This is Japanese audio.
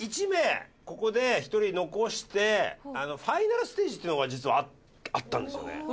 １名ここで１人残してファイナルステージっていうのが実はあったんですよね。